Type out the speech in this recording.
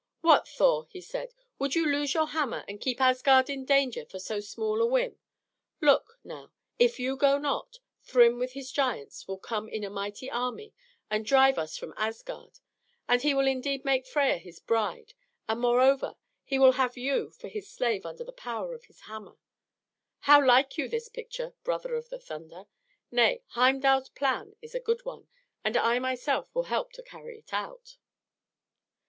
"What, Thor!" he said. "Would you lose your hammer and keep Asgard in danger for so small a whim. Look, now: if you go not, Thrym with his giants will come in a mighty army and drive us from Asgard; then he will indeed make Freia his bride, and, moreover, he will have you for his slave under the power of his hammer. How like you this picture, brother of the thunder? Nay, Heimdal's plan is a good one, and I myself will help to carry it out."